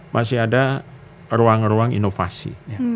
masih ada ruang ruang inovasi